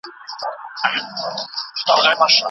خاموشي په کوټه کې د پخوا په پرتله بدله ده.